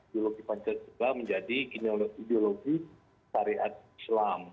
geologi pancet juga menjadi geologi tarihat islam